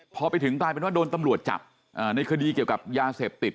พอไปถึงกลายเป็นว่าโดนตำรวจจับในคดีเกี่ยวกับยาเสพติด